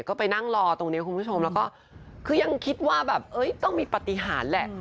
ก็ไปนั่งรอตรงนี้คุณผู้ชมแล้วก็คือยังคิดว่าแบบต้องมีปฏิหารแหละ